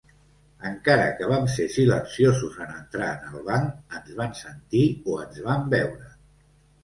Encara que vam ser silenciosos en entrar en el banc, ens van sentir o ens van veure.